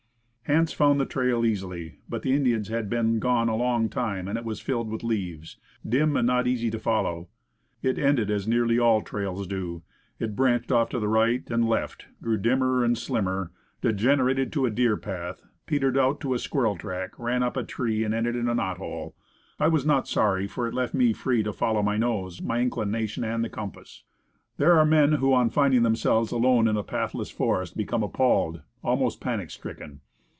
Hance found the trail easily, but the Indians had been gone a long time, and it was filled with leaves, dim, and not easy to follow. It ended as nearly all trails do; it branched off to right and left, grew dimmer and slimmer, degenerated to a deer path, petered out to a squirrel track, ran up a tree, and ended in a knot hole. I was not sorry. It left me free to follow my nose, my inclinations, and the compass. There are men who, on finding themselves alone in a pathless forest, become appalled, almost panic stricken.